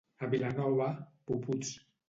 A Vilanova, puputs.